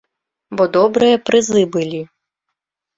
Бо добрыя прызы былі.